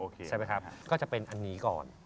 ใช่ไหมครับก็จะเป็นอันนี้ก่อน